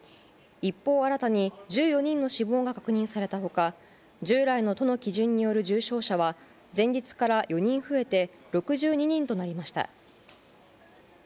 一方、新たに１４人の死亡が確認された他従来の都の基準による重症者は前日から４人増えて６２人となりました。